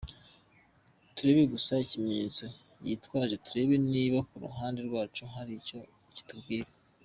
Turebe gusa ikimenyetso yitwaje turebe niba kuruhande rwacu hari icyo kitubwira.